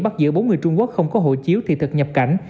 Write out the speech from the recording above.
bắt giữ bốn người trung quốc không có hộ chiếu thị thực nhập cảnh